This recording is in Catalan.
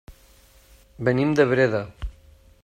Venim de Breda.